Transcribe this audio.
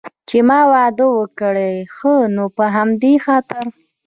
چې ما واده کړی، ښه نو په همدې خاطر.